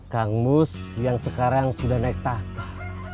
kang bus yang sekarang sudah naik takta